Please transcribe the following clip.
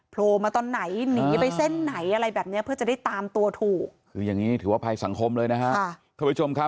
โพลมาตอนไหนหนีไปเส้นไหนอะไรแบบเนี้ยเพื่อจะได้ตามตัวถูกคือยังงี้ถือว่าภายสังคมเลยนะคะ